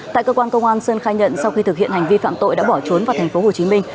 tại cơ quan công an sơn khai nhận sau khi thực hiện hành vi phạm tội đã bỏ trốn vào thành phố hồ chí minh